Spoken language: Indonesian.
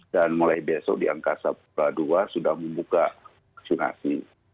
dan mulai besok di angkasa kedua sudah membuka vaksinasi